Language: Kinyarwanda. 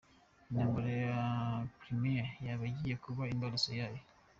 Intambara ya Crimea yaba igiye kuba imbarutso yayo ?.